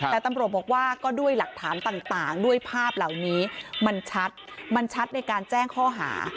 แต่ตำรวจบอกว่าก็ด้วยหลักฐานต่างด้วยภาพเหล่านี้มันชัดมันชัดในการแจ้งข้อหา